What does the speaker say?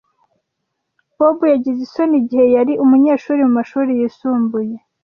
Bob yagize isoni igihe yari umunyeshuri mu mashuri yisumbuye.